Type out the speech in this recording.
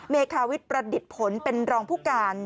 เมคาวิทย์ประดิษฐ์ผลเป็นรองผู้การ